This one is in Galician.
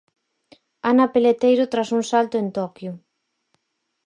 Ana Peleteiro tras un salto en Toquio.